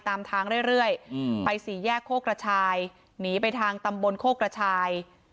ตามทางเรื่อยไปสี่แยกโคกระชายหนีไปทางตำบลโคกกระชาย